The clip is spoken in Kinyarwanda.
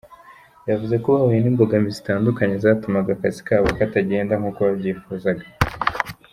Yavuze ko bahuye n’imbogamizi zitandukanye zatumaga akazi kabo katagenda nkuko babyifuzaga.